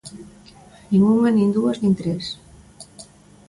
Nin unha, nin dúas, nin tres.